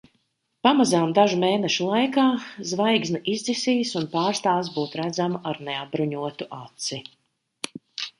Pamazām dažu mēnešu laikā zvaigzne izdzisīs un pārstās būt redzama ar neapbruņotu aci.